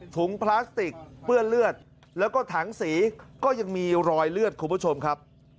พลาสติกเปื้อนเลือดแล้วก็ถังสีก็ยังมีรอยเลือดคุณผู้ชมครับ